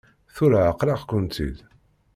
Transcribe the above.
Tura ɛeqleɣ-kent-id.